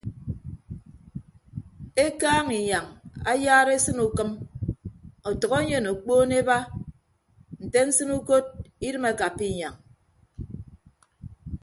Ekaaña inyañ ayara esịne ukịm ọtʌk enyen okpoon eba nte nsịn ukot idịm akappa inyañ.